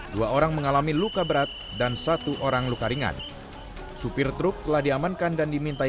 dua orang mengalami luka berat dan satu orang luka ringan supir truk telah diamankan dan dimintai